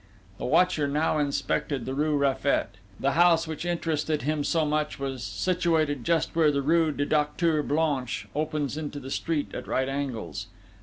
The watcher now inspected the rue Raffet. The house which interested him so much, was situated just where the rue du Docteur Blanche opens into the street at right angles.